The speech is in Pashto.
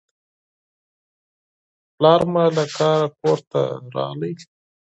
پلار مې له کاره کور ته راغی.